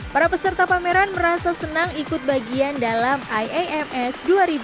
para peserta pameran merasa senang ikut bagian dalam iams dua ribu dua puluh